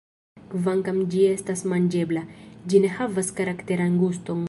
Kvankam ĝi estas manĝebla, ĝi ne havas karakteran guston.